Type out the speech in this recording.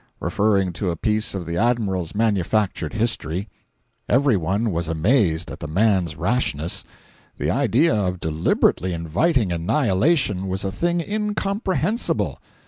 —referring to a piece of the Admiral's manufactured history. Every one was amazed at the man's rashness. The idea of deliberately inviting annihilation was a thing incomprehensible.